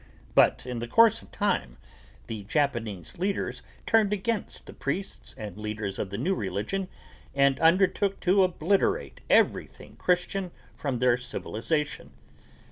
But in the course of time the Japanese leaders turned against the priests and leaders of the new religion and undertook to obliterate everything Christian from their civilization.